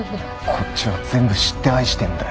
こっちは全部知って愛してんだよ。